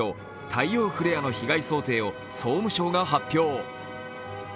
・太陽フレアの被害想定を総務省が発表。